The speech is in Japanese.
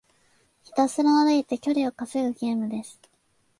ひたすら歩いて距離を稼ぐゲームです。